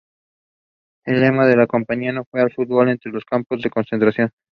El lema de la campaña fue "No al fútbol entre los campos de concentración".